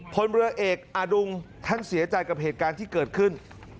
พลเรือเอกอดุงท่านเสียใจกับเหตุการณ์ที่เกิดขึ้น